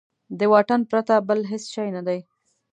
د واټن پرته بل هېڅ شی نه دی.